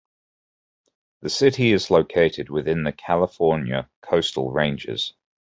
The city is located within the California Coastal Ranges.